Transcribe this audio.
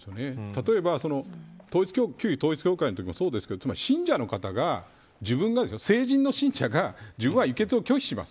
例えば旧統一教会のときもそうですがつまり信者の方が成人の信者が自分は輸血を拒否します。